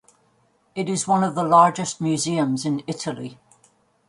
It is one of the largest museums in Italy.